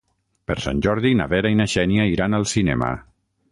Per Sant Jordi na Vera i na Xènia iran al cinema.